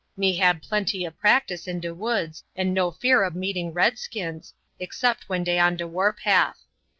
Me hab plenty ob practice in de woods and no fear ob meeting redskins, except when dey on de warpath.